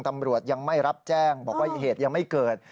ตำรวจยังไม่รับแจ้งบอกว่าเหตุยังไม่เกิด